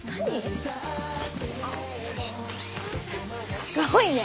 すごいね。